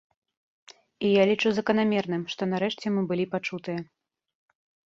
І я лічу заканамерным, што нарэшце мы былі пачутыя.